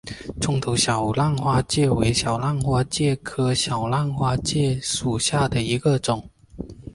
葱头小浪花介为小浪花介科小浪花介属下的一个种。